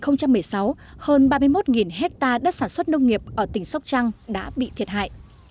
năm hai nghìn một mươi sáu hơn ba mươi một hectare đất sản xuất nông nghiệp ở tỉnh sóc trăng đã bị thiệt hại